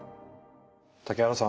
竹原さん